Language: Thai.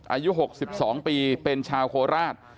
อายุหกสิบสองปีเป็นชาวโคราช